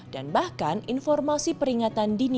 dan bahkan informasi peringatan dini